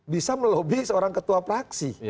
bisa melobi seorang ketua praksi